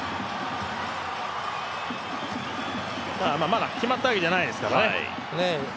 まだ決まったわけではないですからね。